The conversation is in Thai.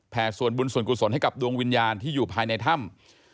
ส่วนบุญส่วนกุศลให้กับดวงวิญญาณที่อยู่ภายในถ้ำ